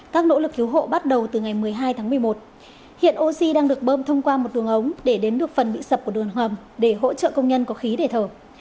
các nỗ lực cứu hộ bắt đầu từ ngày một mươi hai tháng một mươi một hiện oxy đang được bơm thông qua một đường ống để đến được phần bị sập của đường hầm để hỗ trợ công nhân có khí để thở